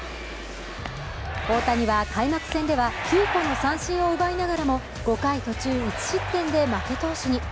大谷は開幕戦では９個の三振を奪いながらも５回途中１失点で負け投手に。